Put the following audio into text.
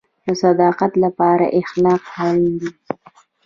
د صداقت لپاره اخلاق اړین دي